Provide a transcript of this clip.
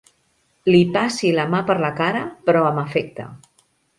Li passi la mà per la cara, però amb afecte.